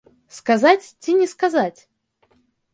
Сказаць ці не сказаць?